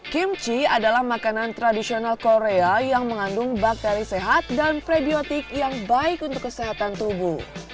kimchi adalah makanan tradisional korea yang mengandung bakteri sehat dan prebiotik yang baik untuk kesehatan tubuh